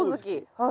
はい。